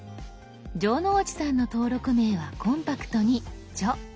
城之内さんの登録名はコンパクトに「じょ」。